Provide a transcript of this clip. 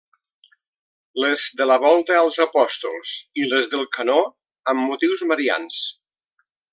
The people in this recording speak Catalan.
Les de la volta als Apòstols i les del canó, amb motius marians.